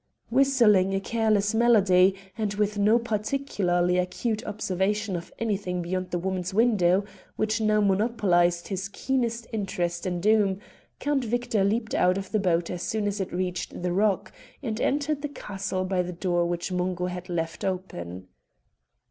Whistling a careless melody, and with no particularly acute observation of anything beyond the woman's window, which now monopolised his keenest interest in Doom, Count Victor leaped out of the boat as soon as it reached the rock, and entered the castle by the door which Mungo had left open.